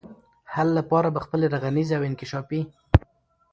حل لپاره به خپلي رغنيزي او انکشافي